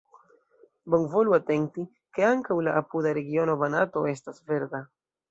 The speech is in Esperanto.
Bonvolu atenti, ke ankaŭ la apuda regiono Banato estas verda.